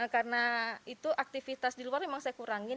karena itu aktivitas di luar memang saya kurangin